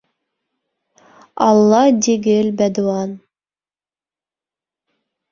Алла дигел бәдуан.